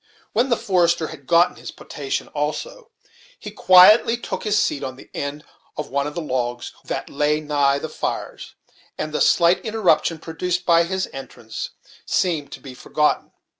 When the forester had got his potation also, he quietly took his seat on the end of one of the logs that lay nigh the fires, and the slight interruption produced by his entrance seemed to be forgotten.